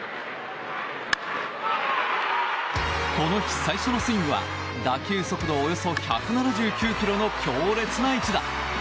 この日最初のスイングは打球速度およそ１７９キロの強烈な一打。